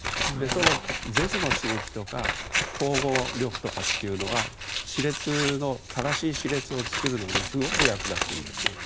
その舌の刺激とか咬合力とかっていうのが正しい歯列を作るのにすごく役立つんです。